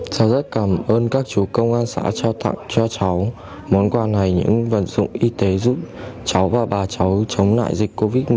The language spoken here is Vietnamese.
cháu rất cảm ơn các chú công an xã trao tặng cho cháu món quà này những vật dụng y tế giúp cháu và bà cháu chống lại dịch covid một mươi chín